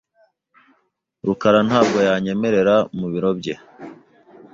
rukara ntabwo yanyemerera mu biro bye .